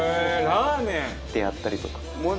ラーメン。でやったりとか。